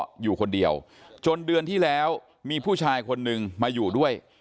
ก็อยู่คนเดียวจนเดือนที่แล้วมีผู้ชายคนนึงมาอยู่ด้วย